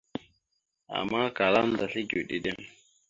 Ama kala aməndasl egew ɗiɗem.